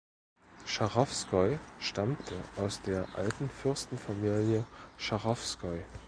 Schachowskoi stammte aus der alten Fürstenfamilie Schachowskoi.